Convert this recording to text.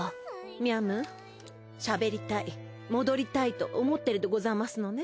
みゃむしゃべりたい戻りたいと思ってるでござますのね？